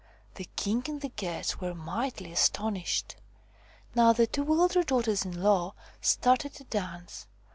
The king and the guests were mightily astonished. Now the two elder daughters in law started to dance.